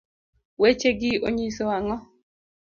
weche gi onyiso ang'o?